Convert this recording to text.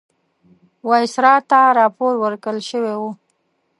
وایسرا ته راپور ورکړل شوی وو.